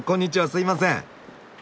すいません。